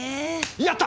やった！